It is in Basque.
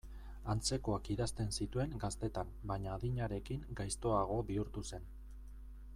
Antzekoak idazten zituen gaztetan baina adinarekin gaiztoago bihurtu zen.